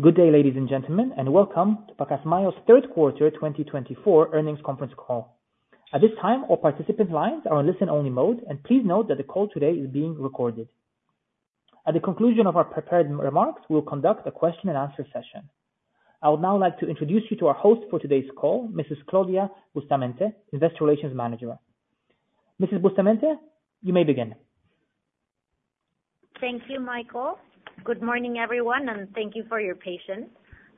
Good day, ladies and gentlemen, and welcome to Pacasmayo's third quarter 2024 earnings conference call. At this time, all participant lines are on listen-only mode, and please note that the call today is being recorded. At the conclusion of our prepared remarks, we'll conduct a question-and-answer session. I would now like to introduce you to our host for today's call, Mrs. Claudia Bustamante, Investor Relations Manager. Mrs. Bustamante, you may begin. Thank you, Michael. Good morning, everyone, and thank you for your patience.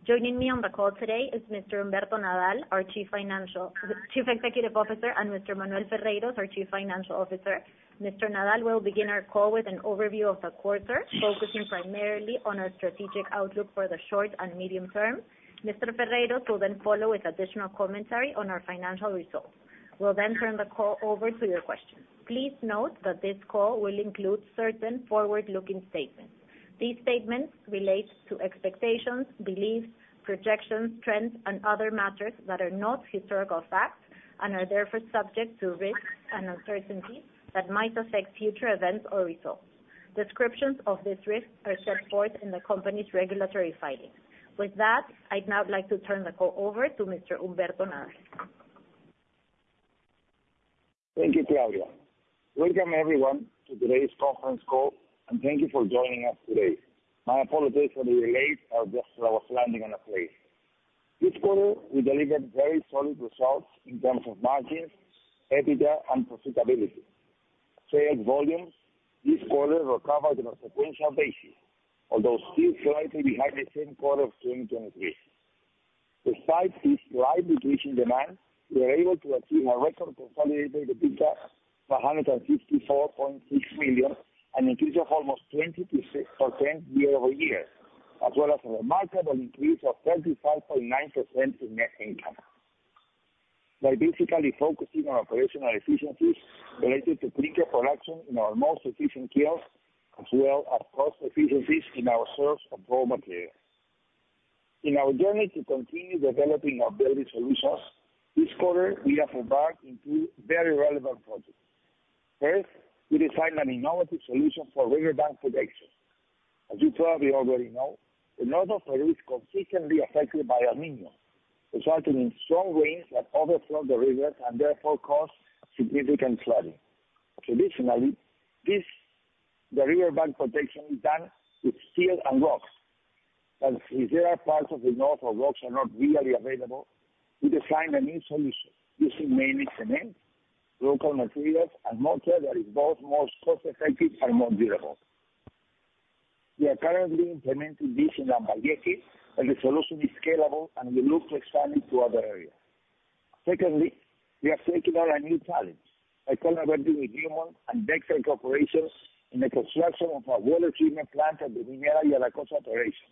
Joining me on the call today is Mr. Humberto Nadal, our Chief Executive Officer, and Mr. Manuel Ferreyros, our Chief Financial Officer. Mr. Nadal will begin our call with an overview of the quarter, focusing primarily on our strategic outlook for the short and medium term. Mr. Ferreyros will then follow with additional commentary on our financial results. We'll then turn the call over to your questions. Please note that this call will include certain forward-looking statements. These statements relate to expectations, beliefs, projections, trends, and other matters that are not historical facts and are therefore subject to risks and uncertainties that might affect future events or results. Descriptions of these risks are set forth in the company's regulatory findings. With that, I'd now like to turn the call over to Mr. Humberto Nadal. Thank you, Claudia. Welcome, everyone, to today's conference call, and thank you for joining us today. My apologies for the delay or just I was landing on a plane. This quarter, we delivered very solid results in terms of margins, EBITDA, and profitability. Sales volumes this quarter recovered on a sequential basis, although still slightly behind the same quarter of 2023. Despite this slight decrease in demand, we were able to achieve a record consolidated EBITDA of PEN 154.6 million and an increase of almost 20% year-over-year, as well as a remarkable increase of 35.9% in net income, by basically focusing on operational efficiencies related to clinker production in our most efficient kilns, as well as cost efficiencies in our sourcing of raw material. In our journey to continue developing our building solutions, this quarter, we have embarked on two very relevant projects. First, we designed an innovative solution for riverbank protection. As you probably already know, the north of Peru is consistently affected by El Niño, resulting in strong rains that overflow the rivers and therefore cause significant flooding. Traditionally, the riverbank protection is done with steel and rocks, but since there are parts of the north where rocks are not readily available, we designed a new solution using mainly cement, local materials, and mortar that is both most cost-effective and more durable. We are currently implementing this in Lambayeque, but the solution is scalable, and we look to expand it to other areas. Secondly, we have taken on a new challenge by collaborating with Newmont and Bechtel Corporation in the construction of a water treatment plant at the Minera Yanacocha operation.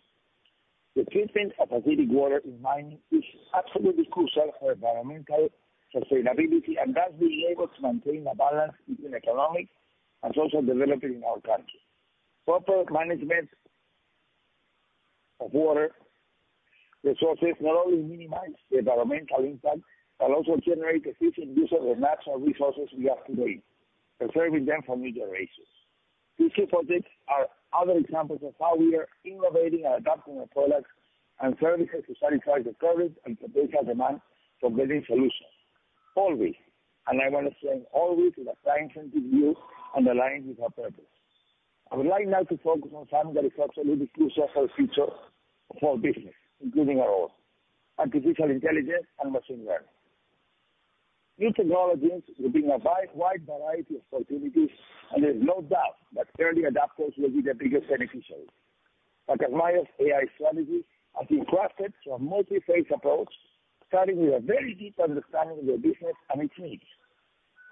The treatment of acidic water in mining is absolutely crucial for environmental sustainability and thus being able to maintain a balance between economic and social development in our country. Proper management of water resources not only minimizes the environmental impact but also generates efficient use of the natural resources we have today, preserving them for future generations. These two projects are other examples of how we are innovating and adapting our products and services to satisfy the current and potential demand for building solutions. Always, and I want to strengthen always with a client-centric view and aligned with our purpose. I would like now to focus on something that is absolutely crucial for the future of our business, including our own, artificial intelligence and machine learning. New technologies will bring a wide variety of opportunities, and there is no doubt that early adopters will be the biggest beneficiaries. Pacasmayo's AI strategy has been crafted through a multi-phase approach, starting with a very deep understanding of the business and its needs.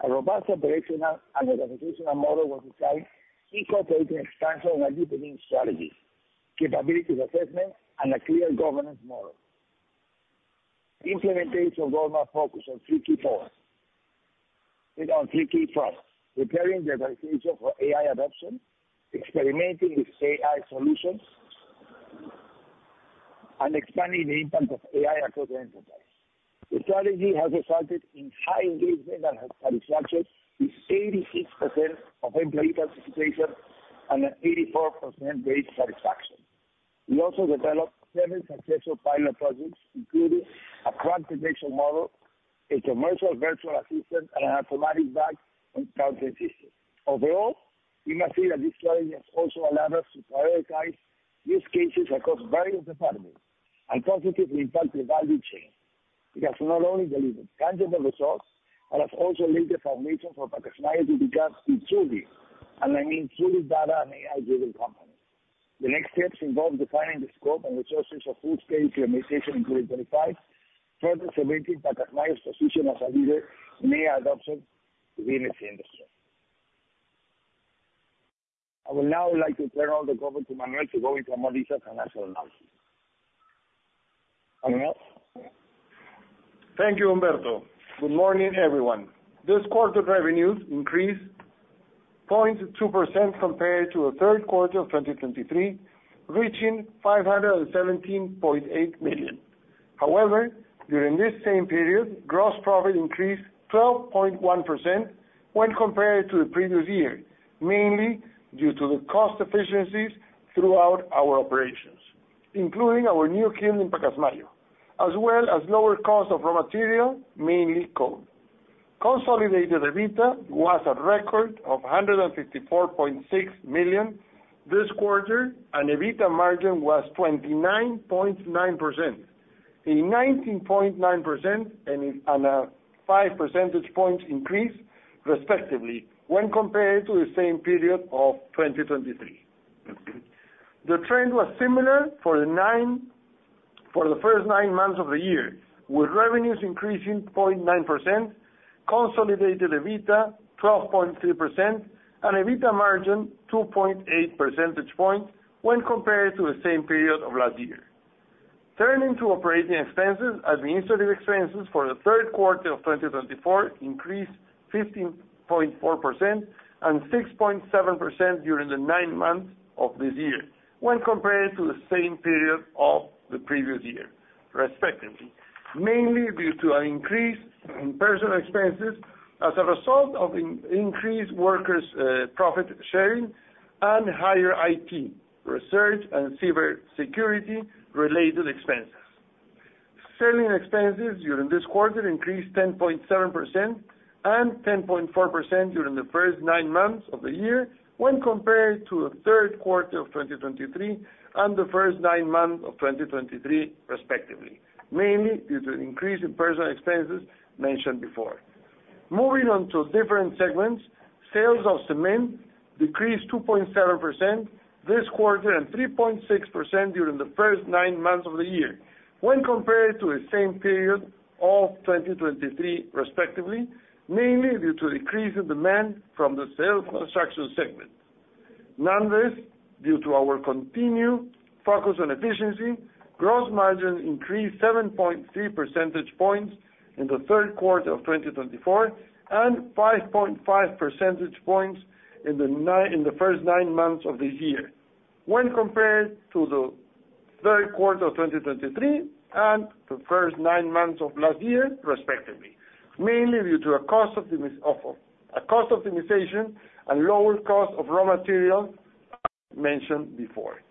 A robust operational and organizational model was designed, incorporating expansion and deepening strategies, capability assessment, and a clear governance model. Implementation goals are focused on three key points. We have three key fronts: preparing the organization for AI adoption, experimenting with AI solutions, and expanding the impact of AI across the enterprise. The strategy has resulted in high engagement and satisfaction, with 86% of employee participation and an 84% rate of satisfaction. We also developed several successful pilot projects, including a churn prediction model, a commercial virtual assistant, and an automatic back and front assistant. Overall, we must say that this strategy has also allowed us to prioritize use cases across various departments and positively impact the value chain because it has not only delivered tangible results but has also laid the foundation for Pacasmayo to become a truly, and I mean truly, data and AI-driven company. The next steps involve defining the scope and resources of full-scale implementation in 2025, further cementing Pacasmayo's position as a leader in AI adoption within its industry. I would now like to turn over the call to Manuel to go into more detail on financial analysis. Manuel. Thank you, Humberto. Good morning, everyone. This quarter's revenues increased 0.2% compared to the third quarter of 2023, reaching PEN 517.8 million. However, during this same period, gross profit increased 12.1% when compared to the previous year, mainly due to the cost efficiencies throughout our operations, including our new kiln in Pacasmayo, as well as lower cost of raw material, mainly coal. Consolidated EBITDA was a record of PEN 154.6 million this quarter, and EBITDA margin was 29.9%, a 19.9% and a 5 percentage points increase, respectively, when compared to the same period of 2023. The trend was similar for the first nine months of the year, with revenues increasing 0.9%, consolidated EBITDA 12.3%, and EBITDA margin 2.8 percentage points when compared to the same period of last year. Turning to operating expenses, administrative expenses for the third quarter of 2024 increased 15.4% and 6.7% during the nine months of this year, when compared to the same period of the previous year, respectively, mainly due to an increase in personnel expenses as a result of increased workers' profit sharing and higher IT, research, and cybersecurity-related expenses. Selling expenses during this quarter increased 10.7% and 10.4% during the first nine months of the year, when compared to the third quarter of 2023 and the first nine months of 2023, respectively, mainly due to an increase in personnel expenses mentioned before. Moving on to different segments, sales of cement decreased 2.7% this quarter and 3.6% during the first nine months of the year, when compared to the same period of 2023, respectively, mainly due to a decrease in demand from the self-construction segment. Nonetheless, due to our continued focus on efficiency, gross margin increased 7.3 percentage points in the third quarter of 2024 and 5.5 percentage points in the first nine months of this year, when compared to the third quarter of 2023 and the first nine months of last year, respectively, mainly due to a cost optimization and lower cost of raw material as mentioned before.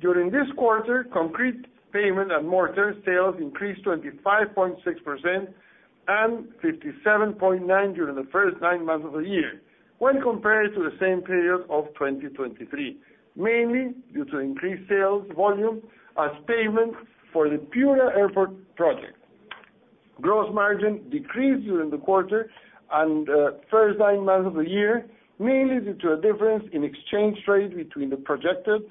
During this quarter, concrete pavement and mortar sales increased 25.6% and 57.9% during the first nine months of the year, when compared to the same period of 2023, mainly due to increased sales volume as pavement for the Piura Airport project. Gross margin decreased during the quarter and first nine months of the year, mainly due to a difference in exchange rate between the projected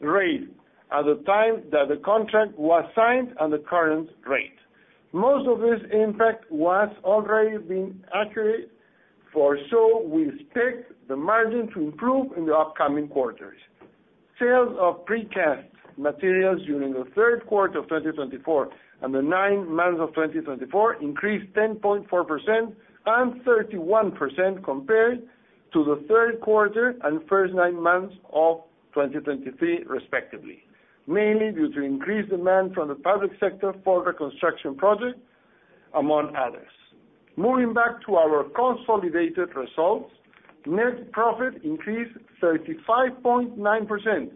rate at the time that the contract was signed and the current rate. Most of this impact was already being accounted for, so we expect the margin to improve in the upcoming quarters. Sales of precast materials during the third quarter of 2024 and the nine months of 2024 increased 10.4% and 31% compared to the third quarter and first nine months of 2023, respectively, mainly due to increased demand from the public sector for the construction project, among others. Moving back to our consolidated results, net profit increased 35.9%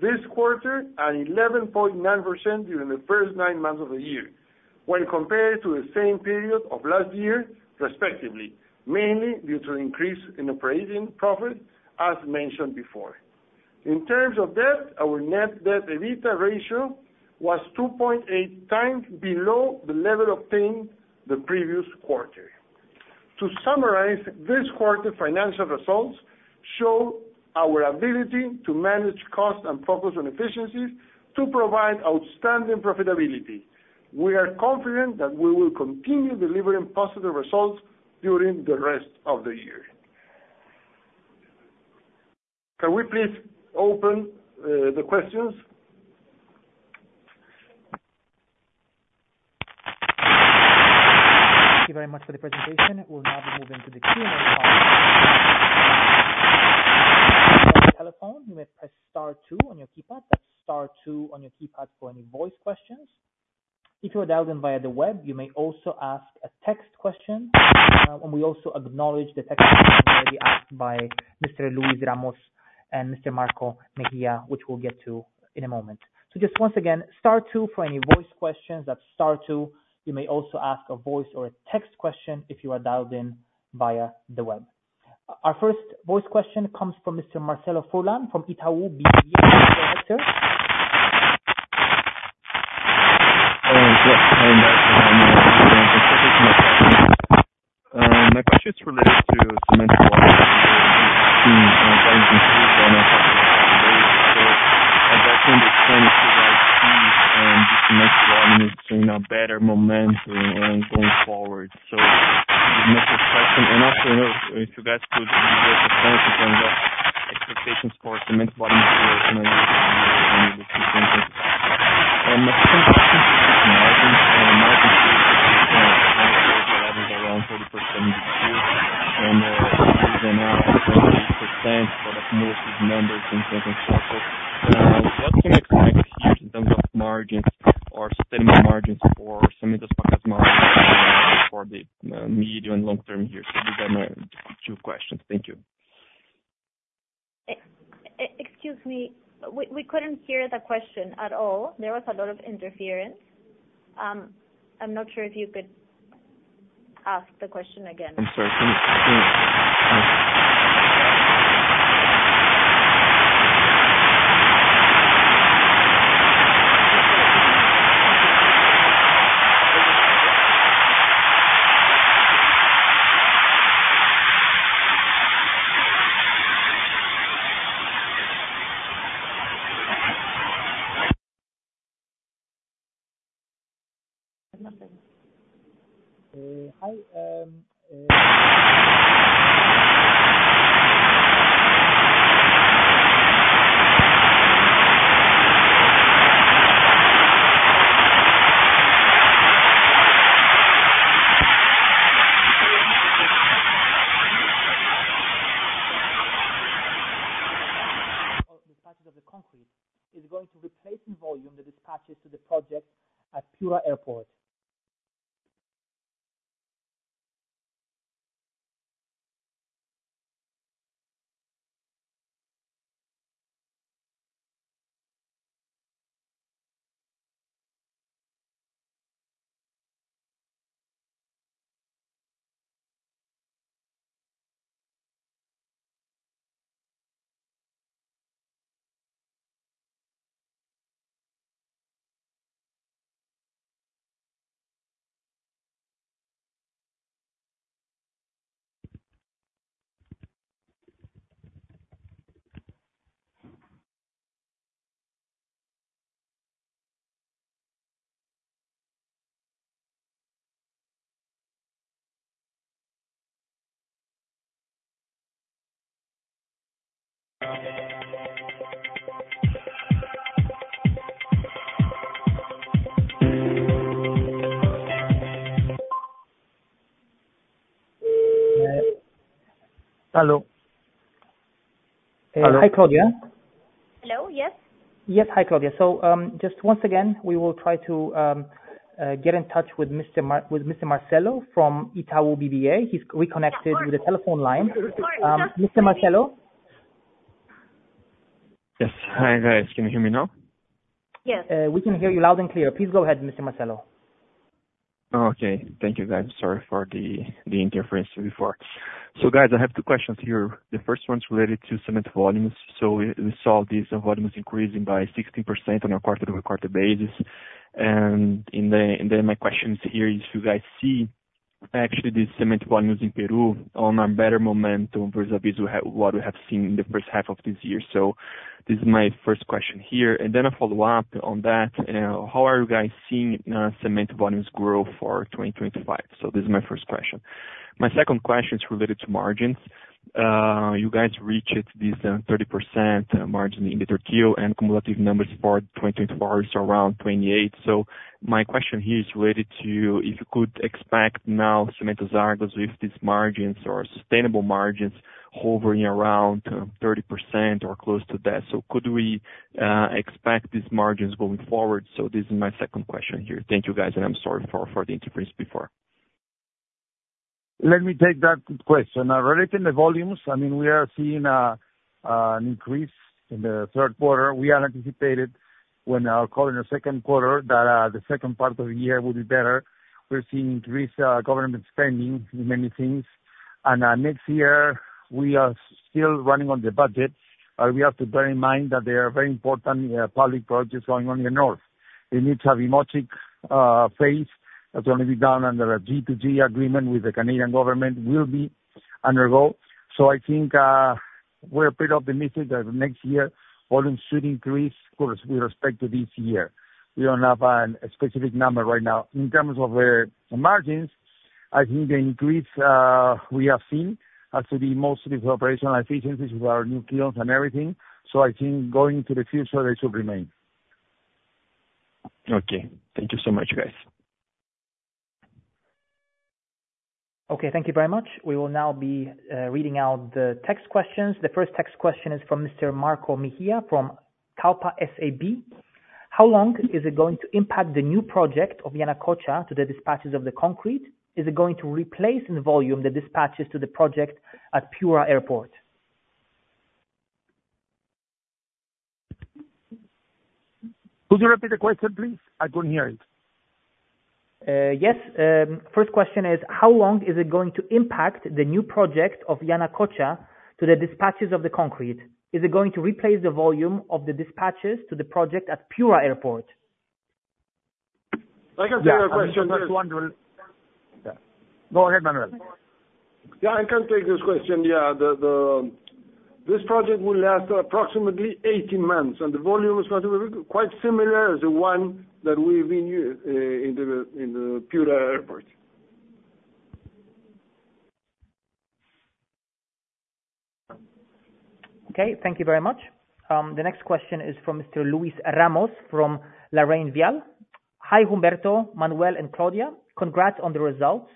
this quarter and 11.9% during the first nine months of the year, when compared to the same period of last year, respectively, mainly due to an increase in operating profit, as mentioned before. In terms of debt, our net debt/EBITDA ratio was 2.8x below the level obtained the previous quarter. To summarize, this quarter's financial results show our ability to manage costs and focus on efficiencies to provide outstanding profitability. We are confident that we will continue delivering positive results during the rest of the year. Can we please open the questions? Thank you very much for the presentation. We'll now be moving to the Q&A part. If you're on the telephone, you may press star two on your keypad. That's star two on your keypad for any voice questions. If you're dialed in via the web, you may also ask a text question. And we also acknowledge the text questions that were already asked by Mr. Luis Ramos and Mr. Marco Mejia, which we'll get to in a moment. So just once again, star two for any voice questions. That's star two. You may also ask a voice or a text question if you are dialed in via the web. Our first voice question comes from Mr. Marcelo Furlan from Itaú BBA, Director. Hello. Yes. Hello, Marcelo. Thank you for taking the call. My question is related to cement volume and the impact being done to the sales for the past several days. So I'd like to understand if you guys see the cement volume is in a better momentum going forward. So the next question. And also, if you guys could give us a sense of the expectations for cement volume here in the next few years, when you look to cement. My second question is margins. Margin changes around 40% this year, and this is now 28% for most of the numbers in cement and structures. What can we expect here in terms of margins or sustainable margins for Cementos Pacasmayo for the medium and long-term years? So these are my two questions. Thank you. Excuse me. We couldn't hear the question at all. There was a lot of interference. I'm not sure if you could ask the question again. I'm sorry. Dispatches of the concrete is going to replace in volume the dispatches to the project at Piura Airport. Hello. Hello. Hi, Claudia. Hello. Yes? Yes. Hi, Claudia. So just once again, we will try to get in touch with Mr. Marcelo from Itaú BBA. He's reconnected with the telephone line. Mr. Marcelo? Yes. Hi, guys. Can you hear me now? Yes. We can hear you loud and clear. Please go ahead, Mr. Marcelo. Okay. Thank you, guys. Sorry for the interference before. So, guys, I have two questions here. The first one's related to cement volumes. So we saw these volumes increasing by 16% on a quarter-to-quarter basis. And then my question here is, do you guys see, actually, these cement volumes in Peru on a better momentum versus what we have seen in the first half of this year? So this is my first question here. And then I'll follow up on that. How are you guys seeing cement volumes grow for 2025? So this is my first question. My second question is related to margins. You guys reached this 30% margin in the third quarter, and cumulative numbers for 2024 is around 28%. So my question here is related to if you could expect now Cementos Pacasmayo with these margins or sustainable margins hovering around 30% or close to that. So could we expect these margins going forward? So this is my second question here. Thank you, guys. And I'm sorry for the interference before. Let me take that question. Relating to volumes, I mean, we are seeing an increase in the third quarter. We had anticipated when I called in the second quarter that the second part of the year would be better. We're seeing increased government spending in many things, and next year, we are still running on the budget, but we have to bear in mind that there are very important public projects going on in the north. The new Chavimochic phase that's going to be done under a G2G agreement with the Canadian government will be undertaken. So I think we're pretty optimistic that next year volumes should increase with respect to this year. We don't have a specific number right now. In terms of the margins, I think the increase we have seen has to be mostly with operational efficiencies with our new kilns and everything. So I think going to the future, they should remain. Okay. Thank you so much, guys. Okay. Thank you very much. We will now be reading out the text questions. The first text question is from Mr. Marco Mejia from Kallpa SAB. How long is it going to impact the new project of Yanacocha to the dispatches of the concrete? Is it going to replace in volume the dispatches to the project at Piura Airport? Could you repeat the question, please? I couldn't hear it. Yes. First question is, how long is it going to impact the new project of Yanacocha to the dispatches of the concrete? Is it going to replace the volume of the dispatches to the project at Piura Airport? I can take that question. Yeah. Go ahead, Manuel. Yeah. I can take this question. Yeah. This project will last approximately 18 months, and the volume is going to be quite similar as the one that we've been in the Piura Airport. Okay. Thank you very much. The next question is from Mr. Luis Ramos from LarrainVial. Hi, Humberto, Manuel, and Claudia. Congrats on the results.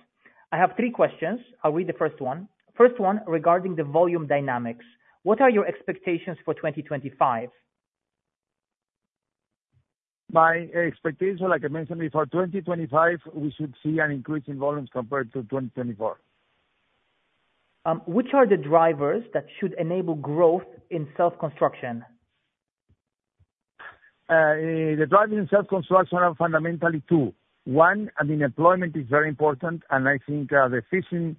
I have three questions. I'll read the first one. First one, regarding the volume dynamics. What are your expectations for 2025? My expectation, like I mentioned before, 2025, we should see an increase in volumes compared to 2024. Which are the drivers that should enable growth in self-construction? The drivers in self-construction are fundamentally two. One, I mean, employment is very important, and I think the fishing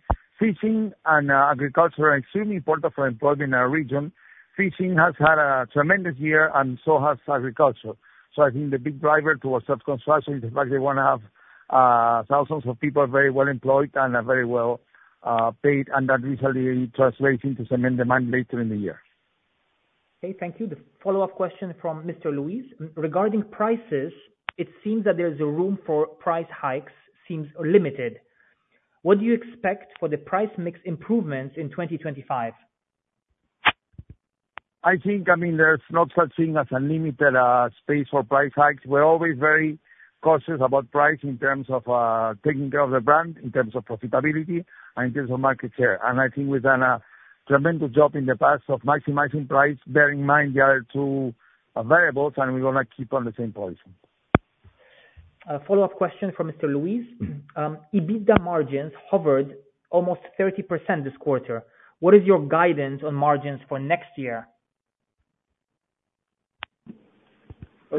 and agriculture are extremely important for employment in our region. Fishing has had a tremendous year, and so has agriculture. So I think the big driver towards self-construction is the fact they want to have thousands of people very well employed and very well paid, and that usually translates into cement demand later in the year. Okay. Thank you. The follow-up question from Mr. Luis. Regarding prices, it seems that the room for price hikes seems limited. What do you expect for the price mix improvements in 2025? I think, I mean, there's no such thing as a limited space for price hikes. We're always very cautious about price in terms of taking care of the brand, in terms of profitability, and in terms of market share. And I think we've done a tremendous job in the past of maximizing price, bearing in mind the other two variables, and we're going to keep on the same policy. Follow-up question from Mr. Luis Ramos. EBITDA margins hovered almost 30% this quarter. What is your guidance on margins for next year?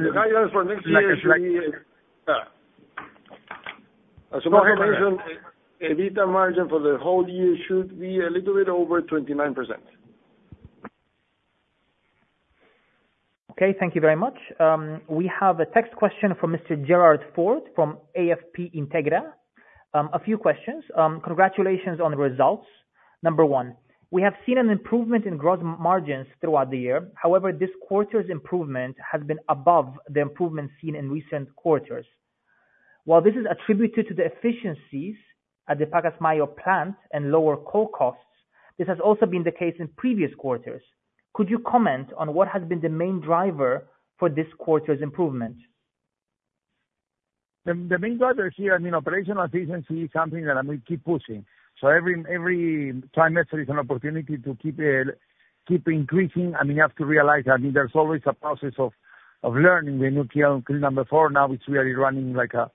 The guidance for next year is that. Yeah. As a comparison, EBITDA margin for the whole year should be a little bit over 29%. Okay. Thank you very much. We have a text question from Mr. Gerardo Fort from AFP Integra. A few questions. Congratulations on the results. Number one, we have seen an improvement in gross margins throughout the year. However, this quarter's improvement has been above the improvement seen in recent quarters. While this is attributed to the efficiencies at the Pacasmayo plant and lower coal costs, this has also been the case in previous quarters. Could you comment on what has been the main driver for this quarter's improvement? The main driver here, I mean, operational efficiency is something that I will keep pushing. So every trimester is an opportunity to keep increasing. I mean, you have to realize that there's always a process of learning. The new kiln number four now is really running like a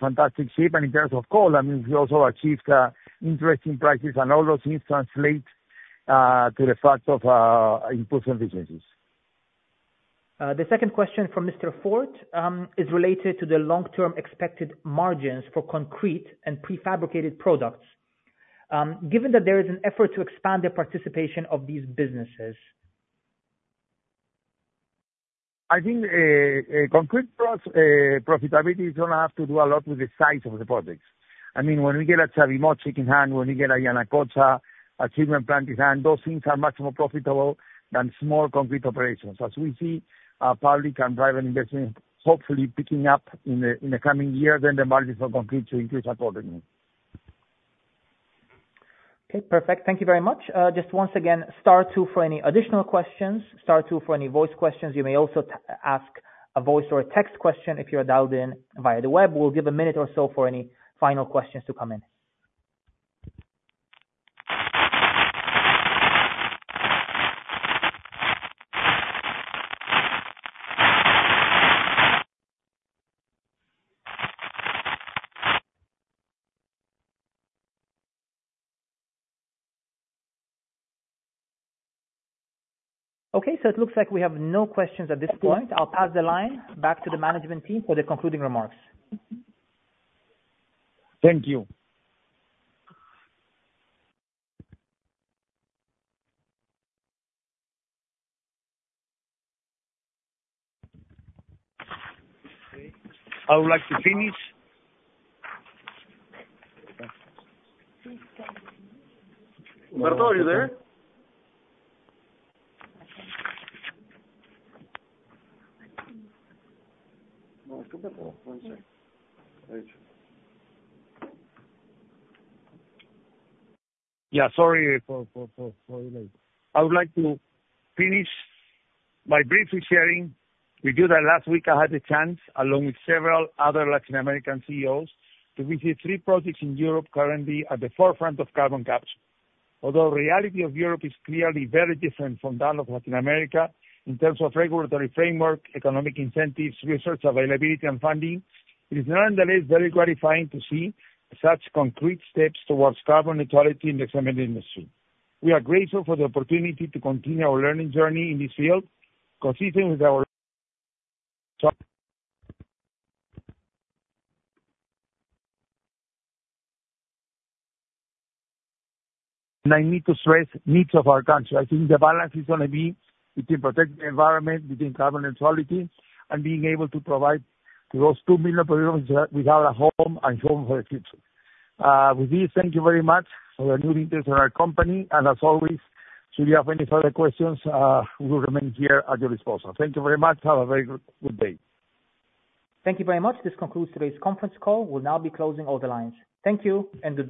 fantastic ship. And in terms of coal, I mean, we also achieved interesting prices, and all those things translate to the fact of improved efficiencies. The second question from Mr. Fort is related to the long-term expected margins for concrete and prefabricated products. Given that there is an effort to expand the participation of these businesses. I think concrete profitability is going to have to do a lot with the size of the projects. I mean, when we get a Chavimochic in hand, when we get a Yanacocha cement plant in hand, those things are much more profitable than small concrete operations. As we see public and private investment hopefully picking up in the coming years, then the margins for concrete should increase accordingly. Okay. Perfect. Thank you very much. Just once again, star two for any additional questions. Star two for any voice questions. You may also ask a voice or a text question if you're dialed in via the web. We'll give a minute or so for any final questions to come in. Okay. So it looks like we have no questions at this point. I'll pass the line back to the management team for the concluding remarks. Thank you. I would like to finish. Manuel, are you there? Yeah. Sorry for the delay. I would like to finish by briefly sharing with you that last week I had the chance, along with several other Latin American CEOs, to visit three projects in Europe currently at the forefront of carbon capture. Although the reality of Europe is clearly very different from that of Latin America in terms of regulatory framework, economic incentives, research availability, and funding, it is nonetheless very gratifying to see such concrete steps towards carbon neutrality in the cement industry. We are grateful for the opportunity to continue our learning journey in this field, consistent with our needs of our country. I think the balance is going to be between protecting the environment, between carbon neutrality, and being able to provide to those two million Peruvians without a home and home for the future. With this, thank you very much for your interest in our company. As always, should you have any further questions, we will remain here at your disposal. Thank you very much. Have a very good day. Thank you very much. This concludes today's conference call. We'll now be closing all the lines. Thank you, and good.